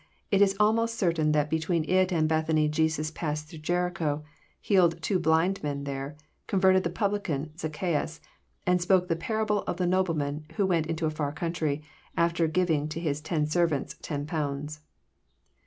It is almost certain that between It and Bethany Jesus passed through Jericho, healed two blind men there, converted the publican Zaccheus, and spoke the parable of the nobleman who went into a far country, after giving to his ten servants ten pounds.